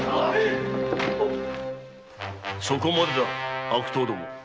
そこまでだ悪党ども。